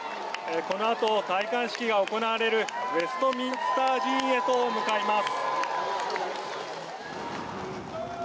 このあと戴冠式が行われるウェストミンスター寺院へと向かいます。